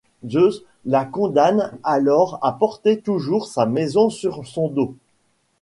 Zeus la condamne alors à porter toujours sa maison sur son dos.